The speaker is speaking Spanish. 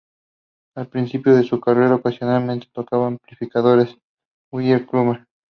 Al principio de su carrera ocasionalmente tocaba amplificadores Gallien-Kruger.